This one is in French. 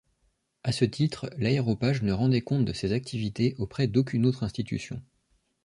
À ce titre, l’Aréopage ne rendait compte de ses activités auprès d'aucune autre institution.